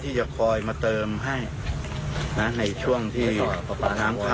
ที่จะคอยมาเติมให้นะในช่วงที่น้ำค้า